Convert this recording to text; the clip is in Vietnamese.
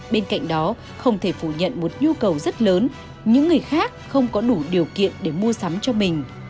bên cạnh đó không thể phủ nhận một nhu cầu rất lớn những người khác không có đủ điều kiện để mua sắm cho mình